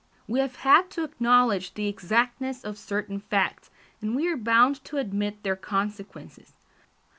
We have had to acknowledge the exactness of certain facts, and we are bound to admit their consequences.